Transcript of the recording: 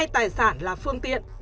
hai mươi hai tài sản là phương tiện